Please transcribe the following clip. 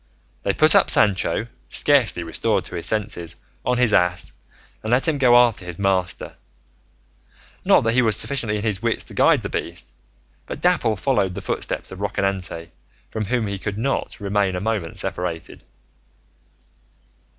They put up Sancho, scarcely restored to his senses, on his ass, and let him go after his master; not that he was sufficiently in his wits to guide the beast, but Dapple followed the footsteps of Rocinante, from whom he could not remain a moment separated.